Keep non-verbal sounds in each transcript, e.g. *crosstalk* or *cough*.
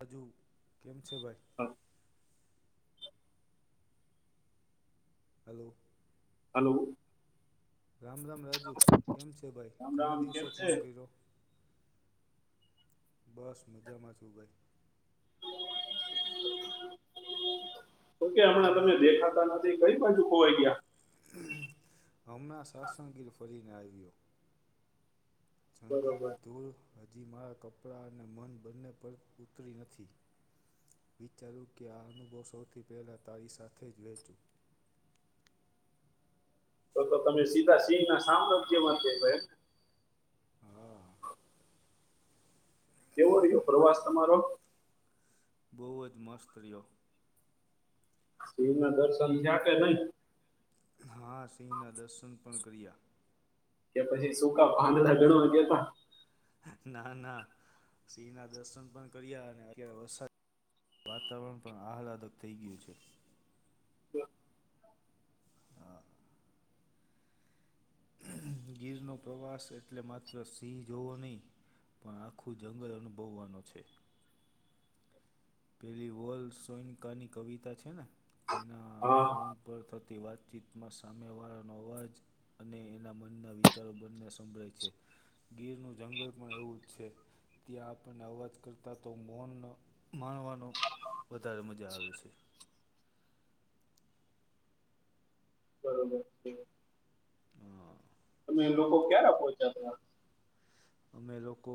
હજુ કેમ છે ભાઈ હા. હાલો. હાલો. રામ રામ રાજુ કેમ છે ભાઈ રામ ઘણા રામ દિવસે કેમ છે ફોન કર્યો. બસ મજામાં છું ગઈ તોકે હમણાં તને તમને એક દેખાતા નથી કઈ બાજુ ખોવાઈ ગયા. હમણાં શાસનગીર ફરીને આવ્યો બરોબર જંગલની ધૂળ હજી મારાં કપડાં અને મન બંને પર તરી નથી. વિચારું કે આ અનુભવ સૌથી પહેલાં તારી સાથે જ વેચું. તો તો તમે સીધા સિંહ ના સામનો જ કેવા કય એમ હા. કેવો રહ્યો પ્રવાસ તમારો બહુ જ મસ્ત રહ્યો. શિવ ના દર્શન થયા કે નઈ હા સિંહના દર્શન પણ કર્યા. કે પછી સુકા પાદળા ઘણવા ગેતા ના ના સિંહ ના દર્શન પણ કર્યા અને અત્યારે વરસાદ વાતાવરણ પણ આહલાદક થઈ ગયું છે. હા. ગીરનો પ્રવાસ એટલે માત્ર સિંહ જોવો નહીં. પણ આખું જંગલ અનુભવવાનું છે. પેલી વોલ સોનકાની કવિતા છે ને જેના હા ફોન પર થ થી વાતચીતમાં સામેવાળાનો અવાજ અને એના મનના વિચારો બંને સંભળે છે. ગીરનું જંગલ પણ એવું જ છે ત્યાં આપણને અવાજ કરતાં તો મોનનો. માણવાનો વધારે મજા આવે છે. બરોબર છે. હા. તમે લોકો ક્યારે પહોંચ્યા તા? અમે લોકો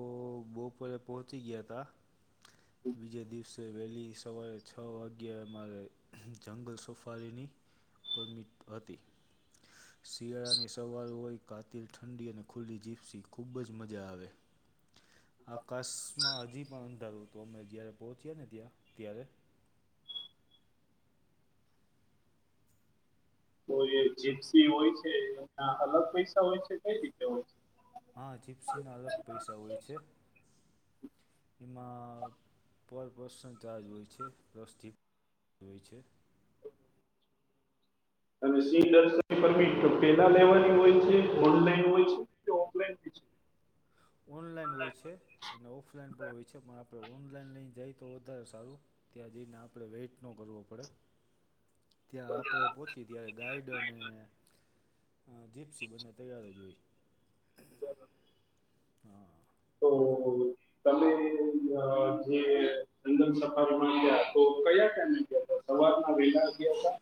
બપોરે પહોંચી ગીયા તા. બીજે દિવસે વહેલી સવારે છ વાગ્યા મારે જંગલ સફારીની પરમિટ હતી. શિયાળાની સવાર હોય, કાતિલ ઠંડી અને ખુલ્લી જીપ્સી ખૂબ જ મજા આવે. આકાશમાં હજી પણ અંધારું તો અમે જ્યારે પહોંચ્યા ને ત્યાં ત્યારે તો જીપ્સી હોય છે એના અલગ પૈસા હોય છે કઈ રીતે હોય છે. હા જીપ્સીના અલગ પૈસા હોય છે. એમાં પર પર્સન ચાર્જ હોય છે *unintelligible* થી હોય છે. અને સિંહ જગલ સફારી તો પેલા લેવાની હોય છે, ઓનલાઈન હોય છે. આપડે ઓનલાઈન હોય છે. અને ઓફલાઈન પણ હોય છે પણ આપણે ઓનલાઈન લઈને જાય તો વધારે સારું. ત્યાં જઈને આપણે વેઇટ ન કરવો પડે. ત્યાં આપણે પહોંચી ત્યારે ગાઈડ અને અ જીપ્સી બંને તૈયાર જ હોઈ. *unintelligible* હા. થોડું *unintelligible* તમે અ જે જંગલ સફારી માં ગયા તો કયા ટાઈમે ગયા તા. સવારમાં વેલા ઉઠયા હતા.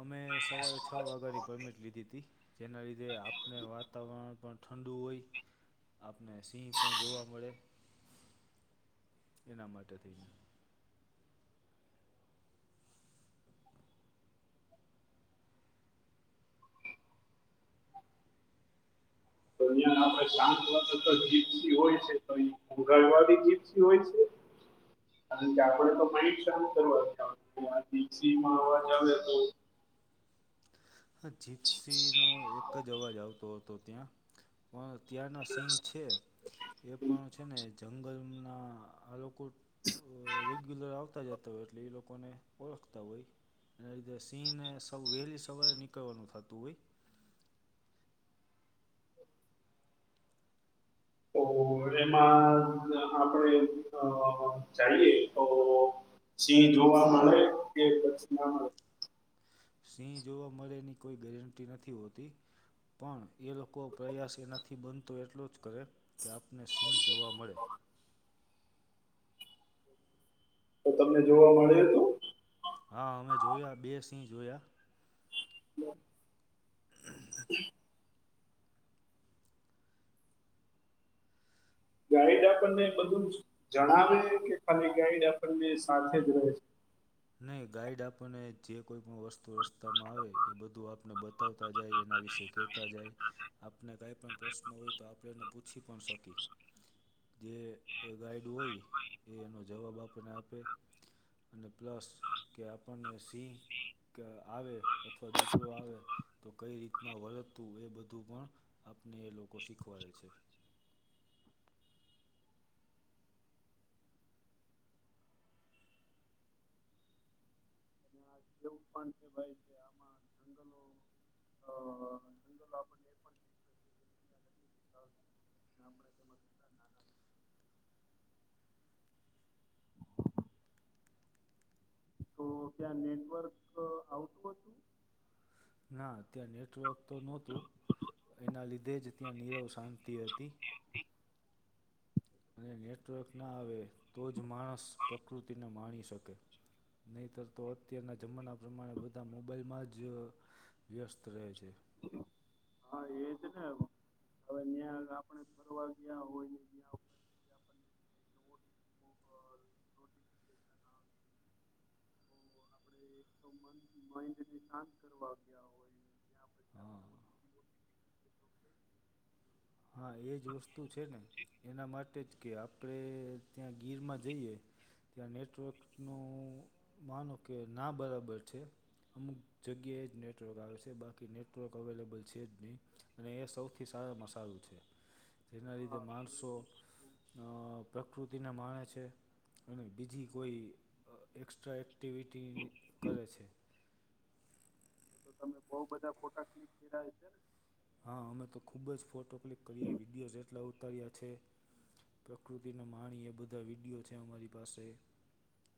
અમે સવારે છ વાગ્યાની પરમિટ લીધી હતી. જેના લીધે આપણે વાતાવરણ પણ ઠંડુ હોય. આપને સિંહ પણ જોવા મળે એના માટે થઈને તો અહીયા આપે શાંત *unintelligible* વા હોય છે તો ગગલવાદી *unintelligible* જીપસી હોય છે. અને તો પરીક્ષાનું કર જવ હતો ત્યાં જીપસી માં હોર્ન વાગે ત્યાં હા જીપ્સીનો એક જ અવાજ આવતો હતો ત્યાં પણ ત્યા ના સિંહ છે એ પણ છે ને જંગલના આ લોકો અ રેગ્યુલર આવતા જતા હોય એટલે એ લોકોને ઓળખતા હોય. એના લીધે સિંહ ને સ્વ વહેલી સવારે નીકળવાનું થતું હોય. તો એમાં આપડે અ ચાયલી તો સિંહ જોવા મળે કે પસી ના મળે. સિંહ જોવા મળે એની કોઈ ગેરંટી નથી હોતી. પણ એ લોકો પ્રયાસ એનાથી બનતો એટલો જ કરે. કે આપને સિંહ જોવા મળે. *inaudible* તો તમને જોવા મળ્યું હતું. હા અમે જોયા, બે સિંહ જોયા. *unintelligible* *unintelligible* *unintelligible* ગાઈડ આપણને બધું જણાવે કે ખાલી ગાઈડ આપણને સાથે જ રહે છે. નય ગાઈડ આપણને જે કોઈ પણ વસ્તુ રસ્તામાં આવે એ બધું આપને બતા- બતાવતા જાય એના વિશે કહેતા જાય. આપને કાઈ પણ પ્રશ્ન હોય તો આપણે એને પૂછી પણ શકીએ જે ગાઈડ હોય એ એનો જવાબ આપણને આપે અને પ્લસ કે આપણને સિંહ કે આવે અથવા દીપડો આવે તો કઈ રીતના વળદ હતું એ બધું પણ આપને એ લોકો શીખવાડે છે. *unintelligible* આપણને એ પણ શીખવે છે કે દુનિયા કેટલી વિશાળ છે. અને આપણે તેમાં કેટલા નાના છીએ. તો ત્યાં નેટવર્ક આવતું હતું? ના ત્યાં નેટવર્ક તો નહોતું એના લીધે જ ત્યાં નીરવ શાંતિ હતી અને નેટવર્ક ના આવે તો જ માણસ પ્રકૃતિને માણી શકે. નીતર તો અત્યારના જમાના પ્રમાણે બધા મોબાઈલમાં જ વ્યસ્ત રહે છે. હા એજ ને હવે ત્યાં આપણે ફરવા ગયા હોય પછી આપણને *inaudible* *inaudible* *inaudible* *unintelligible* હ પછી આપણે ઓટીપી ઓટીપી કરીએ તો કઈ રીતે? હા એજ વસ્તુ છે ને એના માટે જ કે આપણે ત્યાં ગીરમાં જઈએ ત્યાં નેટવર્કનું માનો કે ના બરાબર છે અમુક જગ્યાએ જ નેટવર્ક આવે છે બાકી નેટવર્ક અવેલેબલ છે જ નહીં અને એ સૌથી સારા મસાલ છે જેના લીધે માણસો હ પ્રકૃતિને માણે છે અને બીજી કોઈ એક્સ્ટ્રા એ એક્ટિવિટી કરે છે બઉ બધા ફોટા ક્લિક કર્યા છે હા અમે તો ખૂબ જ ફોટો ક્લિક કર્યા વિડિયોઝ એટલા ઉતાર્યા છે પ્રકૃતિને માણી એ બધા વિડીયો છે અમારી પાસે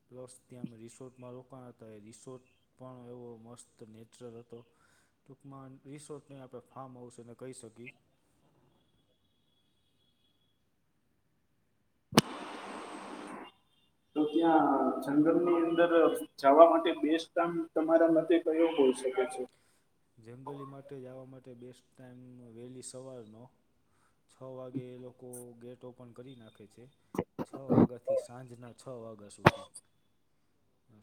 પ્લસ ત્યાં રિસોર્ટમાં રોકાણ હતા એ રિસોર્ટ પણ એવો મસ્ત નેચરલ હતો ટૂંકમાં રિસોર્ટ ન આપણે હા માઉસે ન કહી શકી તો ત્યાં જંગરની અંદર જવા માટે બેસ્ટ કામ તમારા માટે તો એવ બોલી શકે છે જંગલી માટે જવા માટે બેસ્ટ ટાાઈમ વહેલી સવારનો છ વાગે એ લોકો ગેટ ઓપન કરી નાખે છે. છ વાગ્યાથી સાંજના છ વાગ્યા સુધી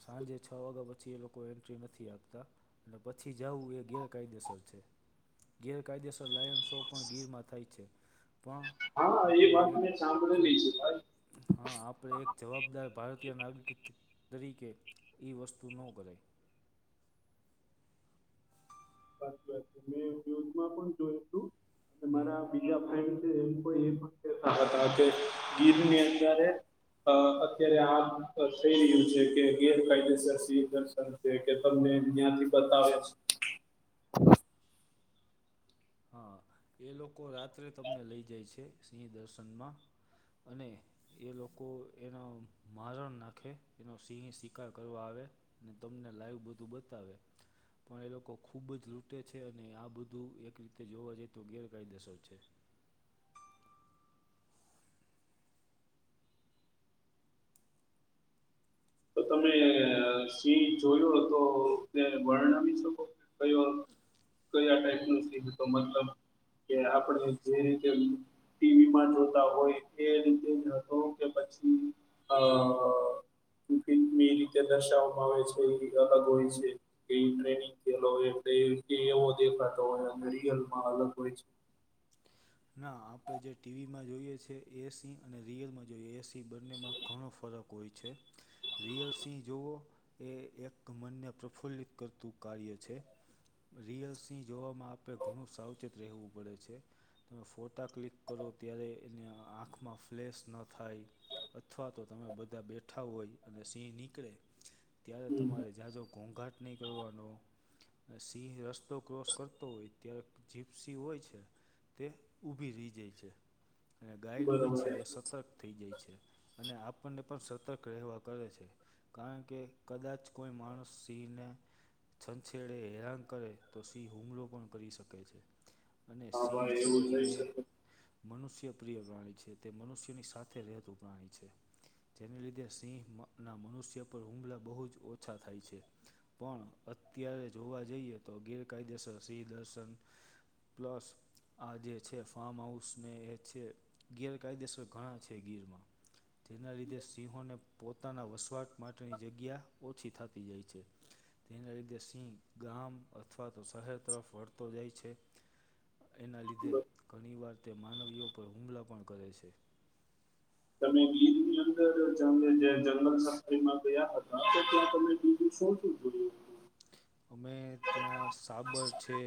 સાંજે છ વાગ્યા પછી એ લોકો એન્ટ્રી નથી આપતા એટલે પછી જવું એ ગેરકાયદેસર છે. ગેરકાયદેસર લાયન શો પણ ગીરમાં થાય છે. પણ હા એ આપણે વાત મેં એક સાંભળેલી છે ભાઈ હા આપ પર એક જવાબદાર ભારતીય નાગરિક તરીકે એ વસ્તુ ન કરાય હમ *unintelligible* *unintelligible* અ અત્યારે આ થઈ રહ્યું છે કે ગેરકાયદેસર સ દર્શન કે તમને *unintelligible* છે *inaudible* હા એ લોકો રાત્રે તમને લઈ જાય છે સિંહ દર્શનમાં અને એ લોકો એનો મારણ નાખે એનો સિંહ શિકાર કરવા આવે ને તમને લાઈવ બધું બતાવે પણ એ લોકો ખૂબ જ લૂટે છે અને આ બધું એક રીતે જોવા જઈ તો ગેરકાયદેસર છે. તો તમે સિંહ જોયો તો તેને વર્ણવી શકો કયો કયા ટાઈપ નું સીધતો મતલબ કે આપડે જે રીતે એમ ટી વી માં જોતા હોય એ રીતે જાતો કે પછી અહ રીતે દર્શાવવામાં આવે છે એ અલગ હોય છે. જે ટ્રેનિંગય એવો દેખાતો હોય અને રિયલમાં અલગ હોય છે. ના આપડે જે ટી વી માં જોઈએ છે એ સી અને રિયલમાં જોઈએ એ સી બંનેમાં ઘણો ફરક હોય છે. રિયલ સિંહ જોવો એ એક મનને પ્રફુલ્લિત કરતું કાર્ય છે. રિયલ સિંહ જોવામાં આપડે ઘણું સાવચેત રહેવું પડે છે. ને ફોટા ક્લિક કરો ત્યારે એને આંખમાં ફ્લેસ ન થાય અથવા તો તમે બધા બેઠા હોય અને સિંહ નીકળે ત્યારે હમ તમારે જાયાંજો ઘોંઘાટ નહીં કરવાનો ને સિંહ રસ્તો ક્રોસ કરતો હોય ત્યારે જીપસી હોય છે તે ઊભી રહી જાય છે અને ગાઈડ હોય બરોબર છે એ સતત થઈ જાય છે અને આપણને પણ સતર્ક રહેવા કરે છે. કારણ કે કદાચ કોઈ માણસ સિંહને છછેડે હેરાન કરે તો સિંહ હુમલો પણ કરી શકે છે. અને હા સિંહ ભાઈ છે એવું થઈ એ શકે મનુષ્ય પ્રિય પ્રાણી છે તે મનુષ્યની સાથે રહેતું પ્રાણી છે. જેને લીધે સિંહ માં ના મનુષ્ય પર હુમલા બહુ જ ઓછા થાય છે. પણ અત્યારે જોવા જઈએ તો ગેરકાયદેસવર સિંહ દર્શન પ્લસ આ જે છે ફાર્મ હાઉસ ને એ છે ગેરકાયદેસર ઘણા છે ગીરમાં. તેના લીધે સિંહોને પોતાના વસવાટ માટેની જગ્યા ઓછી થતી જાય છે. તેના લીધે સિંહ ગામ અથવા તો શહેર તરફ વળતો જાય છે. એના લીધે ઘણીવાર તે માનવીઓ પર હુમલા પણ કરે છે. તમે ગીરની અંદર જંગલ જે જંગલ સફરીમાં ગયા હતા, ત્યાં તમે બીધુંશું *unintelligible* *inaudible* અમે ત્યાં સાબર છે,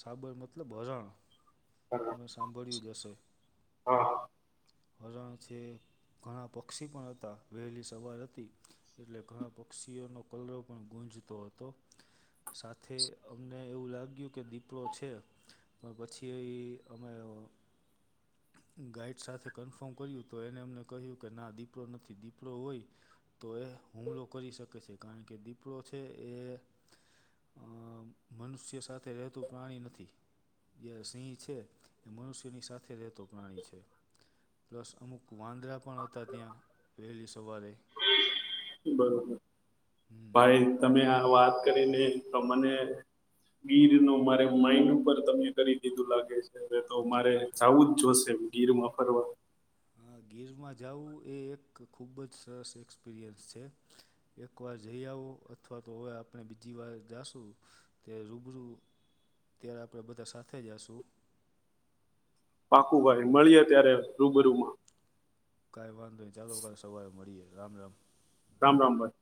સાબર મતલબ હરણ. તમે સાંભળ્યુંજ હશે. હા. હરણ છે, ઘણા પક્ષી પણ હતા વહેલી સવાર હતી એટલે ઘણા પક્ષીઓનો કલરો પણ ગુંજતો હતો. સાથે અમને એવું લાગ્યું કે દીપડો છે, પણ પછી એ કે અમે રહો ગાઈડ સાથે કન્ફર્મ કર્યું તો એને એમને કહ્યું કે ના દીપડો નથી દીપડો હોય તોએ હુમલો કરી શકે છે, કારણ કે દીપડો છે, એ અહ મનુષ્ય સાથે રહેતું પ્રાણી નથી જે સિંહ છે એ મનુષ્યની સાથે રહેતો પ્રાણી છે. પ્લસ અમુક વાંદરા પણ હતા ત્યાં વહેલી સવારે બરોબર ભાઈ તમે આ વાત કરીને તો મને ગીરનો મારે માઈન્ડ ઉપર તમને કરી દીધું લાગે છે. હવે તો મારે જવું જ જોશે ગીરમાં ફરવા. હા, ગીરમાં જવું એ એક ખૂબ જ સરસ એક્સપિરિયન્સ છે. એકવાર જઈઆવો અથવા તો હવે આપડે બીજી વાર જાશું તે રૂબરૂ ત્યારે આપડે બધા સાથે જાશું પાકું ભાઈ મળીએ ત્યારે રૂબરૂમાં. કંઈ વાંધો ન ચાલો ક સવારે મળીએ રામ રામ. રામ રામ ભાઈ.